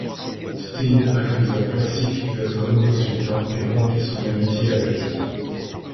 Steed accusa Pašić d'être un nouveau sultan et rompit son amitié avec lui.